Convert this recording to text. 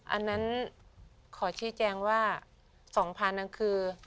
อันนั้นขอชี้แจงว่า๒๐๐นั้นคือ